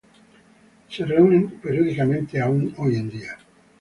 Se reúnen periódicamente aún hoy en día.